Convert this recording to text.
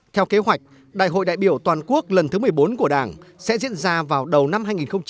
theo kế hoạch đại hội đại biểu toàn quốc lần thứ một mươi bốn của đảng sẽ diễn ra vào đầu năm hai nghìn hai mươi